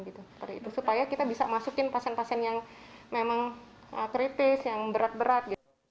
seperti itu supaya kita bisa masukin pasien pasien yang memang kritis yang berat berat